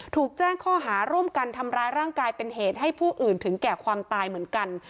ถูกแจ้งข้อหาร่วมกันทำร้ายร่างกายเป็นเหตุให้ผู้อื่นถึงแก่ความตายเหมือนกัน